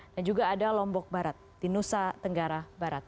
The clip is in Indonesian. dan juga ada lombok barat di nusa tenggara barat